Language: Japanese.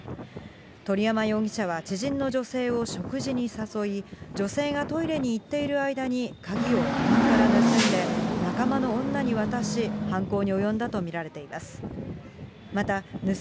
鳥山容疑者は知人の女性を食事に誘い、女性がトイレに行っている間に鍵をかばんから盗んで仲間の女に渡し、犯行に及んだと見られています。